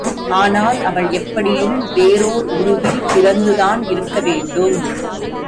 ஆனால் அவள் எப்படியும் வேறொர் உருவில் பிறந்துதான் இருக்க வேண்டும்.